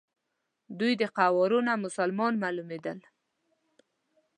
دوی د قوارو نه مسلمانان معلومېدل.